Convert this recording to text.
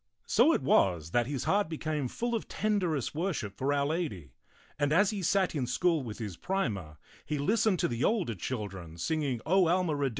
So it was that his heart became full of tenderest worship for Our Lady, and as he sat in school with his primer, he listened to the older children singing O Alma Rede??